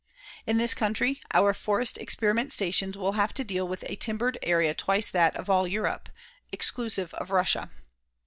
In this country, our forest experiment stations will have to deal with a timbered area twice that of all Europe, exclusive of Russia.